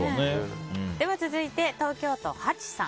続いて、東京都の方。